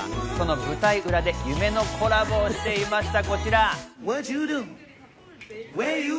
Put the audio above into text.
舞台裏で夢のコラボをしていました。